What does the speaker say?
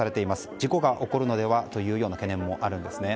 事故が起こるのではという懸念もあるんですね。